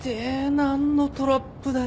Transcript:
何のトラップだよ。